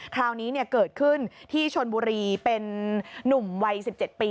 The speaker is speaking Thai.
คราวนี้เกิดขึ้นที่ชนบุรีเป็นนุ่มวัย๑๗ปี